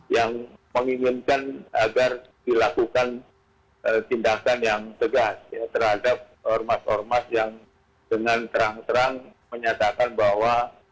yang menginginkan agar dilakukan tindakan yang tegas terhadap ormas ormas yang dengan terang terang menyatakan bahwa